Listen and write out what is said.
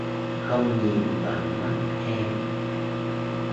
Không nhìn vào mắt em